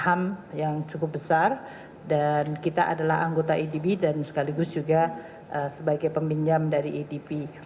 jadi pangsa saham yang cukup besar dan kita adalah anggota adb dan sekaligus juga sebagai peminjam dari adb